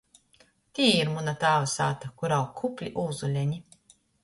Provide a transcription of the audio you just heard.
Tī ir muna tāva sāta, kur aug kupli ūzuleni.